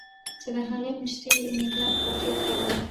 چې د هغې مشري اینیګار فقیر کوله.